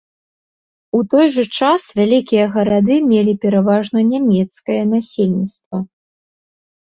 У той жа час вялікія гарады мелі пераважна нямецкае насельніцтва.